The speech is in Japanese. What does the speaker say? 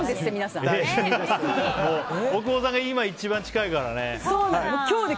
大久保さんが一番近いからね。